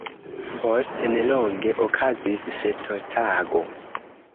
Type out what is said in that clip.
Post nelonge okazis festotago.